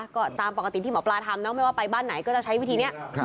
ก็ตามปกติที่หมอปลาทำเนาะไม่ว่าไปบ้านไหนก็จะใช้วิธีนี้